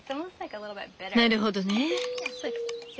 なるほどね。